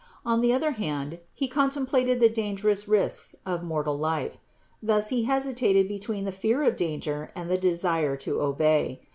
On the other hand he contemplated the dangerous risks of mortal life. Thus he hesitated between the fear of danger and the desire to obey.